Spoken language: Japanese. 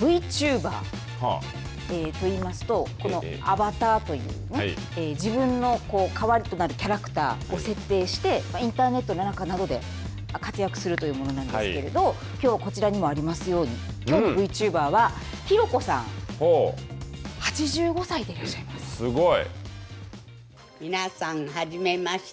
ＶＴｕｂｅｒと言いますとこのアバターというね自分のかわいくなるキャラクターを設定してインターネットの中などで活躍するというものなんですけれどきょう、こちらにもありますようにきょうのＶＴｕｂｅｒはひろこさんすごい。